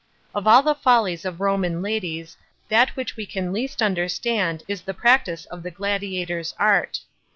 Of all the follies of Rom in ladies, that which we can least understand is the practice o the gladiaors art.